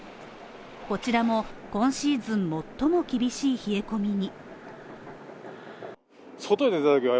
こちらも、今シーズン最も厳しい冷え込みに。